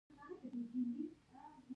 لوړې غونډۍ ته له ختو سره یې خبرې بس کړل.